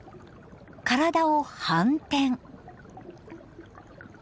体を反転。